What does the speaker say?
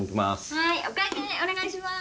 はいお会計お願いします。